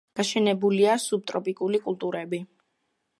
გაშენებულია სუბტროპიკული კულტურები.